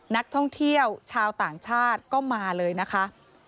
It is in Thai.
นักท่องเที่ยวชาวต่างชาติก็มาเลยนะคะ